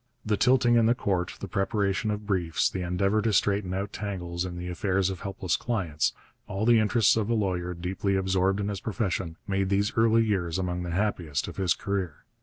The tilting in the court, the preparation of briefs, the endeavour to straighten out tangles in the affairs of helpless clients, all the interests of a lawyer deeply absorbed in his profession, made these early years among the happiest of his career.